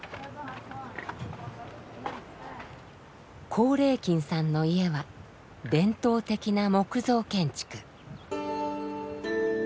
光礼金さんの家は伝統的な木造建築。